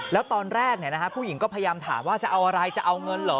แล้วตอนแรกผู้หญิงก็พยายามถามว่าจะเอาอะไรจะเอาเงินเหรอ